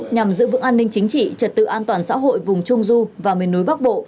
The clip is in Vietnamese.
nhằm giữ vững an ninh chính trị trật tự an toàn xã hội vùng trung du và miền núi bắc bộ